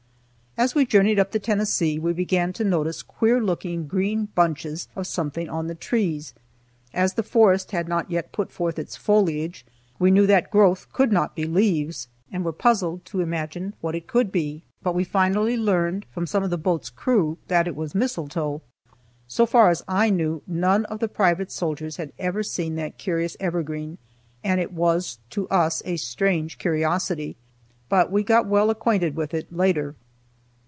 As we journeyed up the Tennessee we began to notice queer looking green bunches of something on the trees. As the forest had not yet put forth its foliage, we knew that growth could not be leaves, and were puzzled to imagine what it could be. But we finally learned from some of the boat's crew that it was mistletoe. So far as I knew none of the private soldiers had ever before seen that curious evergreen, and it was to us a strange curiosity. But we got well acquainted with it later.